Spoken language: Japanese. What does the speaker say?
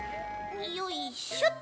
よいしょっと。